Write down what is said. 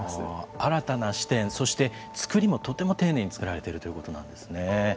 新たな視点、そして作りもとても丁寧に作られているということなんですね。